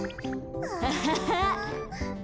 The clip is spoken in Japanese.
アハハッ。